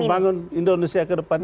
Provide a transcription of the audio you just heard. untuk membangun indonesia ke depan ini